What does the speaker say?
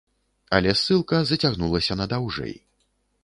Але ссылка зацягнулася надаўжэй.